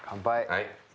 はい。